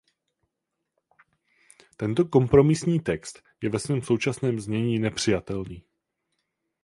Tento kompromisní text je ve svém současném znění nepřijatelný.